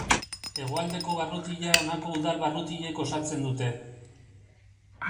Hegoaldeko barrutia honako udal barrutiek osatzen dute.